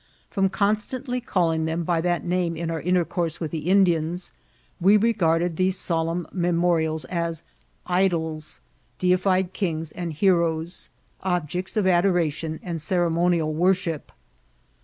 From constant \j calling them by that name in our inlereourse with the Indiansi we regarded these solemn memorials as ^^ idols'' —deified kings and heroes— objects of adoration and ceremonial worship.